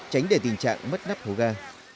tránh để tình trạng mất nắp hố ga